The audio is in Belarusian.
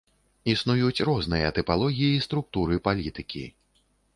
Існуюць розныя тыпалогіі структуры палітыкі.